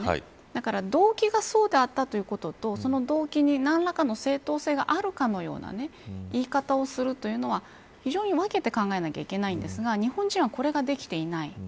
だから動機がそうであったということとその動機に何らかの正当性があるかのような言い方をするというのは非常に、分けて考えなきゃいけないんですが日本人はこれができていない。